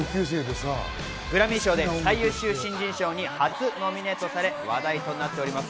グラミー賞で最優秀新人賞に初ノミネートされ、話題となっております。